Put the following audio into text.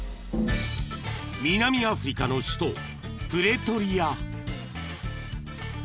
［南アフリカの首都プレトリア］